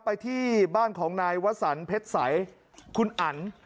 ไปที่บ้านของนายวสันเพชรใสคุณอัน